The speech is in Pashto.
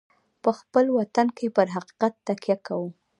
په خپل وطن کې پر حقیقت تکیه کوو.